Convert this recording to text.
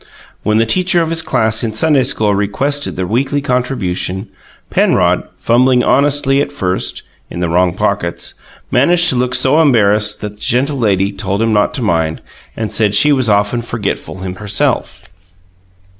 When the teacher of his class in Sunday school requested the weekly contribution, Penrod, fumbling honestly (at first) in the wrong pockets, managed to look so embarrassed that the gentle lady told him not to mind, and said she was often forgetful herself.